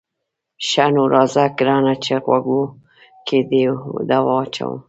ښه نو راځه ګرانه چې غوږو کې دې دوا واچوم.